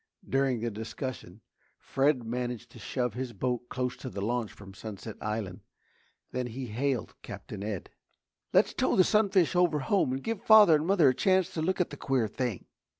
During the discussion, Fred managed to shove his boat close to the launch from Sunset Island. Then he hailed Captain Ed. "Let's tow the sunfish over home and give father and mother a chance to look at the queer thing."